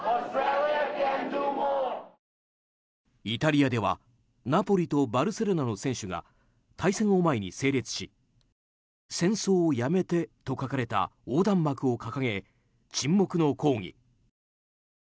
イタリアではナポリとバルセロナの選手が対戦を前に整列し戦争をやめてと書かれた横断幕を掲げ沈黙の抗議。